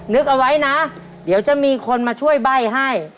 นึกเอาไว้นะเดี๋ยวจะมีคนมาช่วยใบ้ให้